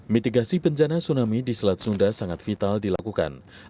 mitigasi bencana tsunami di selat sunda sangat vital dilakukan